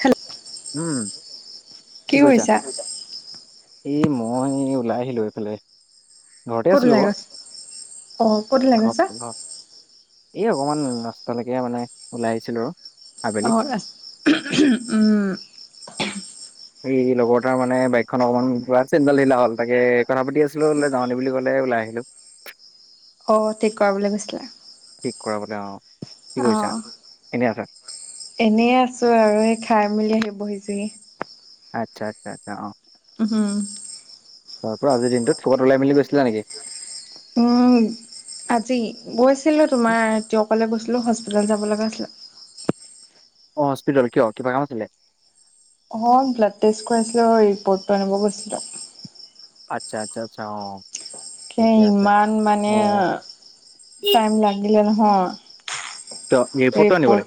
Hello উম কি কৰিছা এই মই ওলাই আহিলো এইফালে ঘৰতে ক'ত আছিলো ওলাই বাও গৈছ অ' ক'ত ওলাই ঘ গৈছা? অ এই অকমান ৰাষ্টালৈকে মানে ওলাই আহিছিলো আৰু আবেলি। অ আ উ উ উম এই লগৰ এটাৰ মানে বাইকখন অকমান চেণ্ডাল ঢিলা হ'ল তাকে কথা পাতি আছিলো যাওনে বুলি কলে ওলাই আহিলো অ ঠিক কৰা বুলি কৈছিলে ঠিক কৰাবলৈ অ কি অ কৰিছা? এনেই আছা? এনে আছো আৰু এই খাই মেলি আহি বহিচোহি আচ্ছা আচ্ছা আচ্ছা অ উম তাৰ পৰা আজিৰ দিনটোত কবাত ওলাই মেলি গৈছিলা নেকি অ আজি গৈছিলো তোমাৰ টিউকলে গৈছিলো হস্পিতালত যাব লগা আছিলে অ হস্পিতেলত কিয় কিবা কাম আছিলে অ ব্লাড টেষ্ট কৰাইছিলো ৰিপৰ্টটো আনিব গৈছিলো আচ্ছা, আচ্ছা, আচ্ছা অ'। ঠিকে আছে। ইমান মানে অ টাইম লাগিলে নহয়। ত ৰিপৰ্টটো তপ আনিব [unintelligible] লাগে?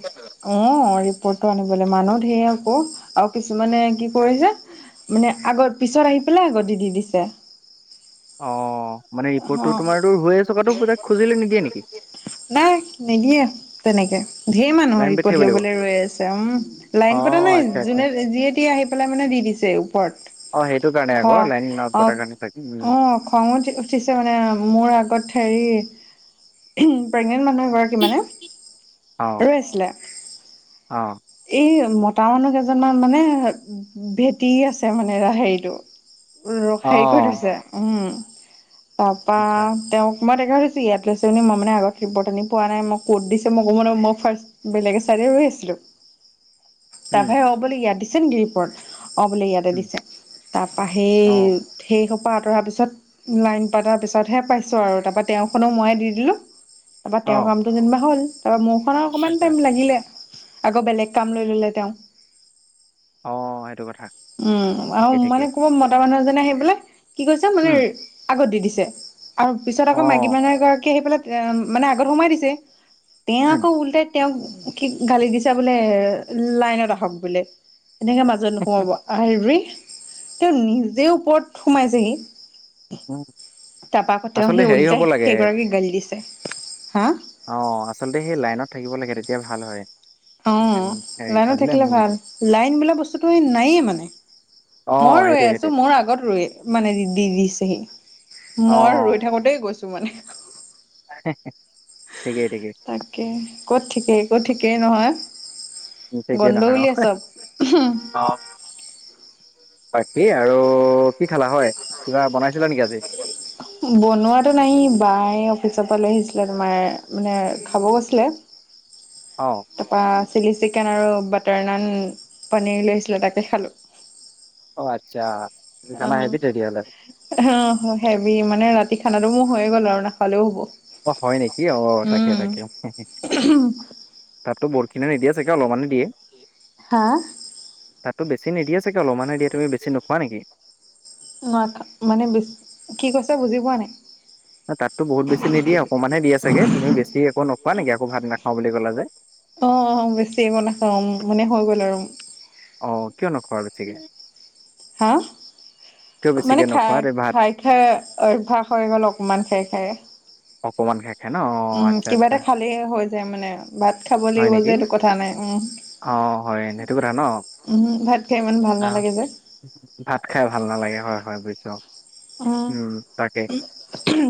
অ', ৰিপৰ্টটো আনিবলৈ মানুহ ঢেৰ আকৌ আৰু কিছুমানে কি কৰিছে। মানে আগৰ পিছত আহি পেলাই আগতে দি দিছে। অ', মানে ৰিপৰ্টটো অ', তোমাৰতো হৈ আছে থকাতো তাক খুজিলে নিদিয়ে নেকি? নাই নিদিয়ে তেনেকে। ঢেৰ লাইন মানুহৰ পাতি থাকিব ৰিপৰ্ট লাগিব ল'বলৈ ৰৈ আছে উম অ লাইন পতা নাই আচ্ছা আচ্ছা যোনে যিয়েটিয়ে আহি পেলাই মানে দি দিছে। পট অ', সেইটো কাৰণে আকৌ লাইন ন পটাৰ কাৰণে থাকিম উ। খং উঠি উঠিছে মানে মোৰ আগত হেৰি প্ৰেগনেণ্ট মানুহ এগৰাকী মানে অ ৰৈ আছিলে। অ এই মতা মানুহ কেইজনমান মানে ভেটি আছে মানে এ হেৰিটো ৰস অ হেৰি কৰি থৈছে উম তাৰপৰা আচ্ছা তেওঁক মই দেখা পাইছোঁ ইয়াত লৈছে মই মানে আগত ৰিপৰ্ট আনি পোৱা নাই মোক ক'ত দিছে মই ক' ম মই ফাৰ্ষ্ট বেলেগে চাৰে ৰৈ আছিলোঁ। তাৰ উম ভাই অ', বোলে ইয়াত দিছে ন ৰিপটৰত অ', বোলে ইয়াতে উম দিছে। তাৰপৰা সেই অ সেইসোপা পৰা আঁতৰাৰ পিছত লাইন ত তাৰ পিছতহে পাইছোঁ আৰু তাৰপা তেওঁখনো মই দি দিলো তাৰপৰা অ তেওঁৰ কাম দুদিনমান হ'ল তাৰপৰা মোৰখনৰ অকণমান আচ্ছা টাইম লাগিলে আকৌ বেলেগ কাম লৈ ললে তেওঁ অ সেইটো কথা উম আৰু ঠিকেই মানে ঠিকেই ক'ব মতা মানুহ এজনে সেইবোলে কি কৈছে মানে উম আগত দি দিছে আৰু পিছত অ আকৌ মাইকী মানুহ গৰাকী আহি পেলাই এ মানে আগত সোমাই দিছে তেওঁ উম আকৌ উল্টাই তেওঁক কি গালি দিছা বোলে লাইনত আহক বোলে এনেকে মাজত নোসোমাব আৰি তেওঁ নিজে ওপৰত সোমাইছেহি উম তাৰাপা তেওঁ আচলতে সি হেৰি হ'ব উওল্টাই লাগে সেইগৰাকীক গালি দিছে হা অ', আচলতে সেই লাইনত থাকিব লাগে তেতিয়া ভাল হয়। অ', হেৰি লাইনত পাবলে থাকিলে উম ভাল লাইন বোলা বস্তুটো নায়েই মানে অ মই ৰৈ সেইটোৱে আছোঁ সেইটোৱে মোৰ আগত ৰৈ মানে দি দিছেহি অ মই ৰৈ থাকোঁতে গৈছো মানে ঠিকেই, ঠিকেইে। তাকে ক'ত ঠিকেই, ক'ত ঠিকেই নহয়। ঠিকেই বন্ধ নহয় অ বুলি আছ। অ', বাকী আৰু কি খালা হয়? কিবা বনাইছিলা নেকি আজি? বনোৱাতটো নাই বাই অফিচৰ পৰা লৈ আহিছিলে তোমাৰ মানে খাব গৈছিলে। [inaudible] অ'। তাৰপৰা চিলি চিকেন আৰু বাটাৰ নান পনীৰ লৈছিলে তাকে খালোঁ। অ', আচ্ছা খানা হেবি তেনে হ'লে। আহ হেভি মানে ৰাতি খানাটো মোৰ হৈয়ে গ'ল আৰু নাখালেও হ'ব। অ', হয় নেকি অ', তাকে উম। তাকে তাতো বহুত খিনে নিদিয়া [unintelligible] চে অলপ মানি দিয়ে। হা তাতো বেছিনিদিয়োগৈ অলমান হে দিয়ে তুমি বেছি নোখোৱা নেকি। ন মানে কি কৈছে বুজি পোৱা নাই। তাততো বহুত বেছি নিদিয়ে অকণমানহে দিয়ে চাগে তুমি বেছি একো নোখোৱা নেকি আকৌ ভাত নাখাওঁ বুলি কলা যে অ অ বেছি মই নাখাওঁ উম মানে হৈ গ'ল আৰু অ কিয় নোখোৱা বেছিকে হা কিয় মানে বেছিকে খা নোখোৱা তে ভাত খাই খা অভ্যাস হৈ গ'ল অকণমান খাই খাই অকণমান খাই খাই ন উম আচ্ছা কিবা আচ্ছা এটা খালেই হৈ যায় মানে ভাত খাবলৈ হয় লাগিব যে নেকি সেইটো কথা নাই উম অ হয় সেইটো কথা ন অ উম ভাত খাই সিমান ভাল নালাগে যে ভাত খাই ভাল নালাগে হয় হয় বুজিছো উম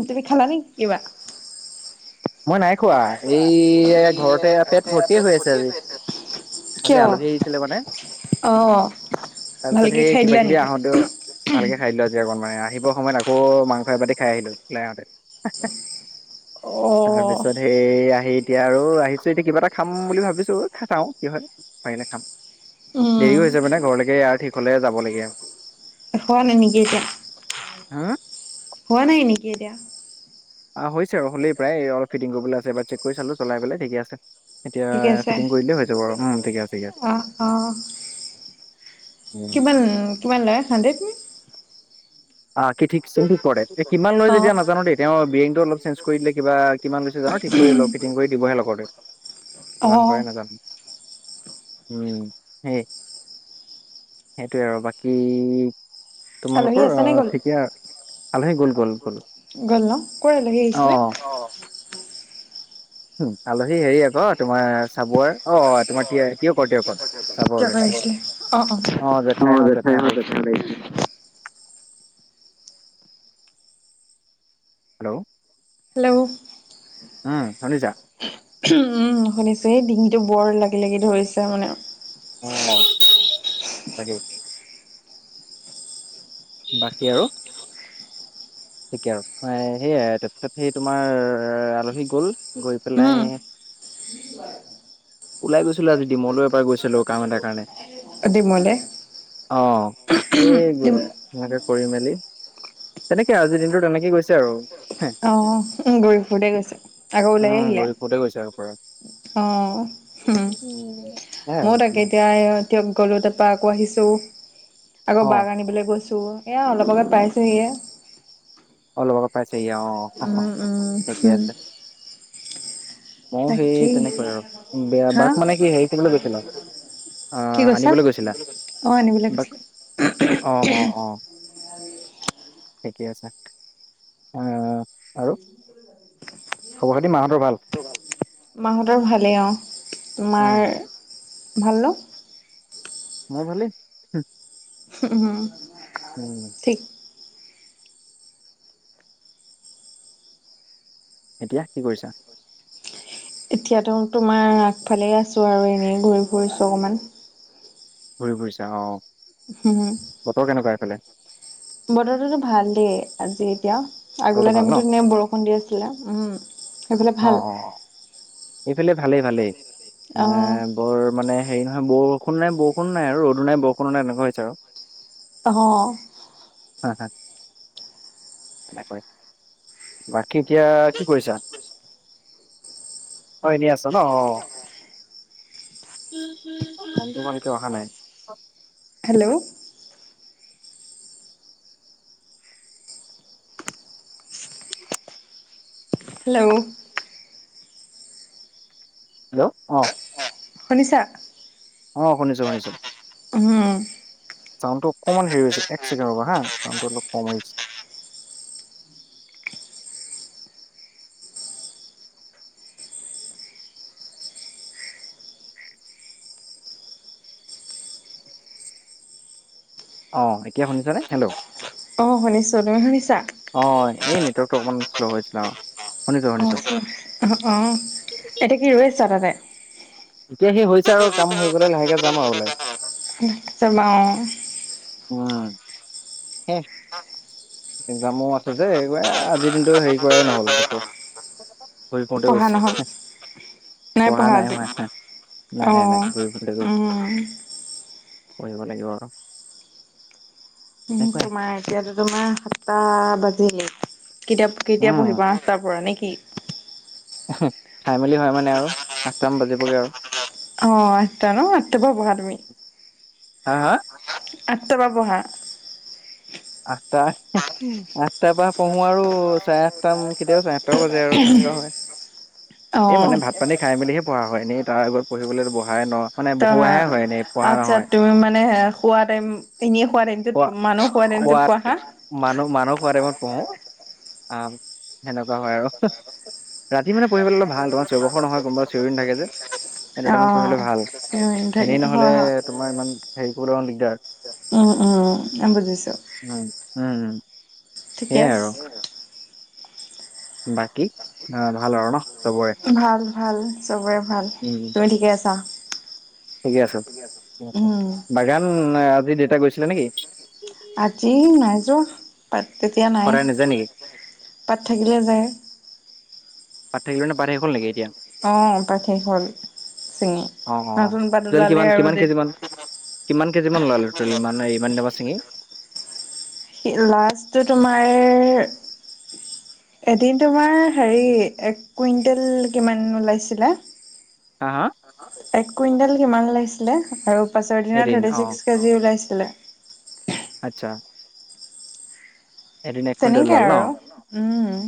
তুমি খালা নেকি কিবা মই নাই খোৱা এই ঘৰতে পেট ভৰ্তিয়ে হৈ আছে আজি আজি কিয়? আলহী আহিছিলে মানে অ ভালকে খাই দিলা নেকি ভালকে খাই দিলো আজি অকণমান আহিবৰ সময়ত আকৌ মাংস এবাতি খাই আহিলো ওলাই আহোতে হে হে অ তাৰপিছত সেই আহি এতিয়া আৰু আহিছো এতিয়া কিবা এটা খাম বুলি ভাবিছো চাও কি হয় পাৰিলে খাম দেৰিও উম হৈছে মানে ঘৰলৈকে এয়াৰ ঠিক হ'লে যাবলগীয়া খোৱা নাই নেকি এতিয়া হা হোৱা নাই নেকি এতিয়া অ হৈছে আৰু হলেই প্ৰায় অলপ ফিটিং কৰিবলে আছে চেক কৰি চালো চলাই পেলাই ঠিকে আছে এতিয়া ঠিকে আছে ফিটিং কৰি দিলেই হৈ যাব উম ঠিক আছে ঠিক আছে অ অ কিমান কিমান লৰা সানডেট অ কি ঠিক যোনটো কৰে কিমান লৈ অ যেতিয়া নাজানো দেই তেওঁৰ বেৰিংটো অলপ চেন্স কৰি দিলে কিবা কিমান লৈছে জানো দেই কৰি ল ফিটিং কৰি দিবহে লগতে অ কিমান কৰে নাজানো উম সেই সেইটোয়ে আৰু বাকী আলহী তোমালোকৰ আছে আহ নে গ'ল ঠিকে আলহী গ'ল গ'ল গ'ল গ'ল ন কৰ আলহী অ আহিছিলে? উম আলহী হেৰি আক তোমাৰ চাবুৱাৰ অ তোমাৰ টে টিয়কৰ টিয়কৰ চাবুৱা ওলাইছে অ জেঠাই হত জেঠাইহত আহিছিলে হেল্ল হেল্ল উম শুনিছা উম শুনিছোঁ সেই ডিঙিটো বৰ লাগি লাগি ধৰিছে মানে অ তাকেই বাকী আৰু ঠিকে আৰু অ সেইয়াই তাৰপিছত সেই তোমাৰ আলহী গ'ল গৈ পেলাই কি বাই ওলাই গৈছিলো আজি দিমৌলে এবাৰ গৈছিলো কাম এটা কাৰণে ডিমলে অ সেই গ সেনেকে কৰি মেলি তেনেকে আজিৰ দিনটো তেনেকেই গৈছে আৰু অ ঘুৰি ফুৰোতে গৈছে আকৌ ওলাই উম আহিলা ঘূৰি ফুৰোতে গৈছে আৰু পুৰা। অ হুম উম, এ ময়ো তাকে এতিয়া টিয়ক গ'লো তাৰপা আকৌ আহিছোঁ অ আকৌ বাক আনিবলৈ গৈছো এয়া অলপ আগত পাইছোহিহে অলপ আগত পাইছহি অ অ উম, উম, ঠিকে উম, আছে ময়ো সেই তাকেই তেনেকুৱাই আৰু বেয়া হা বাক মানে কি হেৰি কৰিবলৈ গেছিলো কি কৈছা? আনিবলৈ গৈছিলা অ', আনিবলৈ গৈছিলে বাক অ অ অ ঠিকে আছে এ আৰু খবৰ খাতি মাহঁতৰ ভাল। মাহঁতৰ ভালেই অ তোমাৰ উম ভাল ন? মোৰ ভালেই। উম উম। উমঁ। ঠিক। এতিয়া কি কৰিছা? এতিয়াতো তোমাৰ আগফালে আছো আৰু এনেই ঘূৰি ফুৰিছো অকমান। ঘুৰি ফুৰিছা অ। হম। বতৰ কেনেকুৱা এইফালে? বতৰৰততো ভাল দেই আজি এতিয়া আগলা বতৰটো ভাল ন টাইমতো এনে বৰষুণ দি আছিলা ওম। অ অ অ এইফালে ভালেই ভালেই এ অহ বৰ মানে হেৰি নহয় বৰষুণ নাই বৰষুণ নাই আৰু ৰ'দো নাই বৰষুণো নাই তেনেুৱা হৈছে আৰু। অহ হ হ হ এনেকৈ বাকী এতিয়া কি কৰিছা? অ এনে আছ ন অ মনটো মনিকে অহা নাই। হেল্লৌ! হেল্লৌ! হেল্লৌ অঁ। শুনিছা। অঁ শুনিছোঁ শুনিছোঁ। উমঁহো। চাউডটো অকণমান হেৰি হৈছে এক ছেকেণ্ড ৰবা হা চাউটো অলপ কম আহিছে। অঁ এতিয়া শুনিছনে হেল্লো! অঁ শুনিছো তুমি শুনিছা? অঁ এই নেটৱৰ্কটো অকণমান শ্ল' হৈছিলে অঁ। অ অ অ এতিয়া কি ৰৈ আছা তাতে? এতিয়া সি হৈছে আৰু কাম হৈ গ'লে লাহেকে যাম আৰু ওলাই। সি যাবাওঁ অঁ। উমঁ! হো একজামো আছে যে এই আজিৰ দিনটো হেৰি কৰাই নহল একো। কৰি অ কতে পঢ়া গৈছে। নহ'ল পঢ়া নাই মই নাই অ নাই নাই ঘোৰি ফুৰুতে গৈছে। উম। পঢ়িব লাগিব আ উমঁ তোমাৰ এতিয়াতো তোমাৰ সাতটা বাজিলেই। কেতিয়া কেতিয়া উম। পঢ়িবা আঠটা পৰা নে কি। খাই মেলি হয় মানে আৰু আঠটামান বাজিবগৈ আৰু। অ আঠটা ন আঠটা পৰা পঢ়া তুমি। হা হা। আঠটা পৰা পঢ়া। আঠটা আঠটাৰ পৰা পঢ়ো আৰু চাৰে আঠটাম কেতিয়াাব চাৰে সাত বাজে আৰু তেনেকুৱা হয় এই অ', মানে ভাত,,, পানী খাই মেলিহেঢা হয় এনে তাৰ আগত পঢ়িবলৈত বহাই ন। মানে ত বহোৱাহে হয় এনেই পঢ়া আচ্ছা নহয়। তুমি মানে পোৱা টাইম এনে হোৱা টাইম যত খোৱা মানুহ হোৱা টাইম যত খোৱাত পঢ়া মানুহ মানুস বাৰে মই পঢ়ো আহ সেনেকুৱা হয় আৰু। ৰাতি মানে প়িবলৈ অল ভাল তোাৰেওবৰ নহয় কোনবা চিউৰিিন থে যে। এটাৰ অ', কৰিবলৈ ভাল থাকে এনেই নহলে হয় হয়। তোমাৰ ইমান হেৰি কৰিবলৈ অ দিগদাৰ। উম উম আম বুজিছো। উম উমম ঠিকে আছে। বাকী অ ভাল আৰু ন চবৰে? ভাল ভাল চবৰে ভাল। উম তুমি ঠিকে আছা? ঠিকে আছে আ উম, বাগান আজি দেউতা গৈছিলে নেকি? আজি নাই যোৱা পাত তেতিয়া নাই সদায় নেযায় নেকি? পাত থাকিলে যায়। পঠ থাকিলে পাৰ থে হ নেক এতিয়া। অঁ ত শেষ হ'ল ছিঙি অ অ নতুন পাত টোটেল ওলালে কিমান আৰু কিমান কেজি মান কিমান কেজিমান 'লালো ত ইমান ইমান দাবা ছিঙি? লাষ্টটো তোমাৰ এদিন তোমাৰ হেৰি এক কুইণ্টেল কিমান ওলাইছিলে। [unintelligible] হা হা এক কুইণ্টেল কিমান ওলাইছিলে আৰু পাছৰ দিনা এদিন থাৰ্টি অ চিক্স কেজি ওলাইছিলে। আচ্ছা এদিন এক কুইণ্টেল তেনেকে আৰু উম।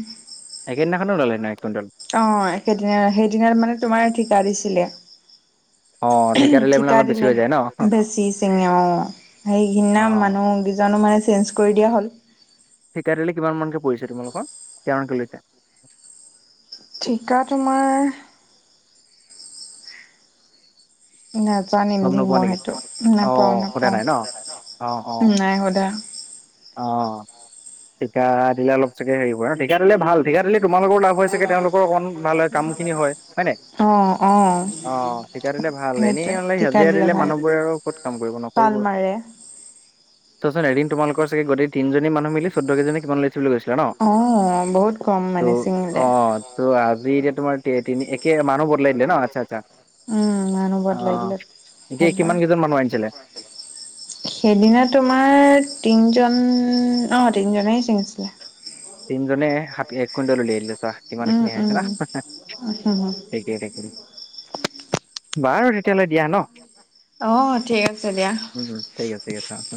একে দিনাখনীয়ে ওলালে ন এক কুইণ্টল? অ একেদিন সেইদিনত মানে তোমাৰ ঠিকা দিছিলে। অ মানে ঠিকা অলপ বেছি দিলে। হৈ যায় ন? বেছি চিঙ অ সেই সিনা অ মানুহ কেইজনো মানে চেঞ্জ কৰি দিয়া হ'ল। ঠিকাই দিললে কিমান মানকে পৰিছে তোমালোকৰ কমানামানকে লৈ যা। ঠিকা তোমাৰ? নাজানিম গম দিি নোপোৱা মই নেকি? সেইটো অ নাপাও সোধা নাপাও নাই ন? অ অ নাই সোধা। অ ঠিকা দিলে অলপ চাগে হেৰি কৰা। ঠিকা দিলে ভাল ঠিকা দিলে তোমালোকৰো লাভ হৈছে চে তেওঁলোকৰ অকণ ভাল হয় কাম খিনি হয় নাই? অ অ অ শিকাৰিলে ভাল এনেই সেইটোৱে অ টিকা হাজিৰা দিলে ভাল মানুহবোৰে আৰু ক'ত কাম কৰিব পাল নকৰিব। মাৰে তইচোন এদ তোমালোক চাগে গতিেই তিজনী মানু মিলি চধ্যকজনমান লৈছিল বুলি গৈছিল। অ বহুত কম মানে চিঙিলে। অ' ত' আজি এতিয়া তোমাৰ তিনি একে মানুহ ব উম নানো বাদ লাগিল। অ' এতিয়া কিমান কেইজন মানুহ আনিছিলে? সেইদিনা তোমাৰ তিনিজন অ তিনিজনেই চিঙিছিলে। তিনজনে হফ এক কুইণ্টল উলিয়াইিলো চোৱা কিমান উম খিনি আহিছে উম না। তিকে তঠাকে বাৰু তেতিয়ালৈ দিয়া ন? অ ঠিক আছে দিয়া। উম ঠিক আছে ঠিক আছে।